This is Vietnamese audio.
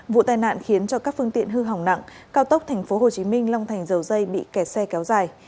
vụ tai nạn khiến cho các phương tiện hư hỏng nặng cao tốc tp hcm long thành dầu dây bị kẹt xe kéo dài